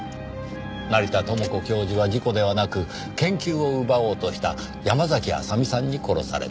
成田知子教授は事故ではなく研究を奪おうとした山嵜麻美さんに殺された。